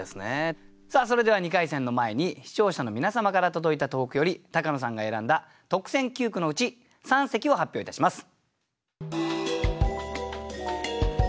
さあそれでは２回戦の前に視聴者の皆様から届いた投句より高野さんが選んだ特選九句のうち三席を発表いたします。